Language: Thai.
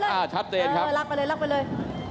ลากไปเลยลากไปเลย